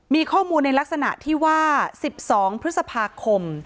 มีข้อมูลในลักษณะที่ว่า๑๒พฤษภาคม